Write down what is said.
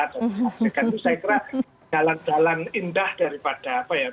dan saya kira jalan jalan indah daripada apa ya